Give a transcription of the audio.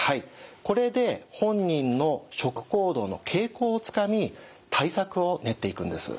これで本人の食行動の傾向をつかみ対策を練っていくんです。